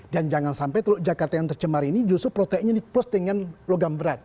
dan jangan sampai teluk jakarta yang tercemar ini justru proteinnya dipulis dengan logam berat